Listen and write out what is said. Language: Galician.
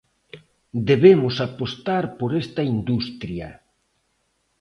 Debemos apostar por esta industria.